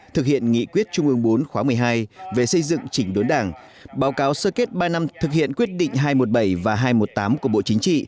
thực hiện nghị quyết trung ương bốn khóa một mươi hai về xây dựng chỉnh đốn đảng báo cáo sơ kết ba năm thực hiện quyết định hai trăm một mươi bảy và hai trăm một mươi tám của bộ chính trị